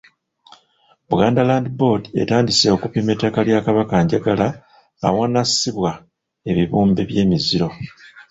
Buganda Land Board etandise okupima ettaka lya Kabakanjagala awanassibwa ebibumbe by’emiziro.